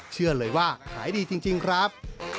เชื่อเลยว่าขายดีจริงครับ